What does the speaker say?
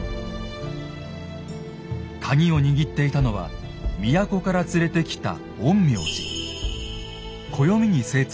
カギを握っていたのは都から連れてきた陰陽師。